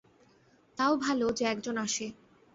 তাও ভালো যে এক জন আসে।